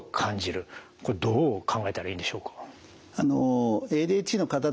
これどう考えたらいいんでしょうか？